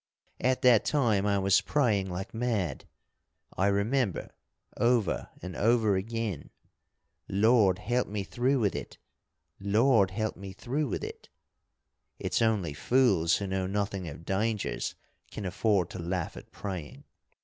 At that time I was praying like mad, I remember, over and over again: 'Lord help me through with it! Lord help me through with it!' It's only fools who know nothing of dangers can afford to laugh at praying.